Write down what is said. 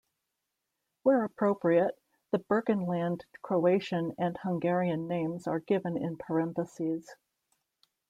Where appropriate, the Burgenland Croatian and Hungarian names are given in parentheses.